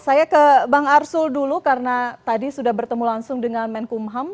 saya ke bang arsul dulu karena tadi sudah bertemu langsung dengan menkumham